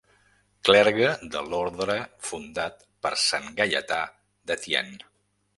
Clergue de l'orde fundat per sant Gaietà de Thiene.